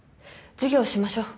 授業しましょう。